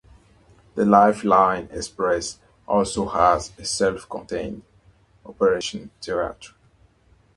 The Lifeline Express also has a self-contained operation theatre.